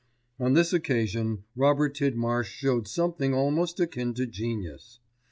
On this occasion Robert Tidmarsh showed something almost akin to genius.